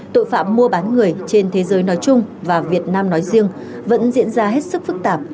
tội phạm mua bán người trên thế giới nói chung và việt nam nói riêng vẫn diễn ra hết sức phức tạp